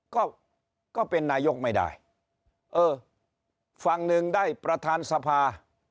ก็ก็เป็นนายกไม่ได้เออฝั่งหนึ่งได้ประธานสภา